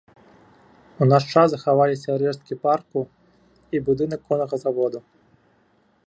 У наш час захаваліся рэшткі парку і будынак коннага заводу.